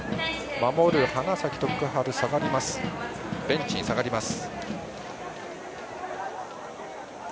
守る花咲徳栄ベンチに下がります。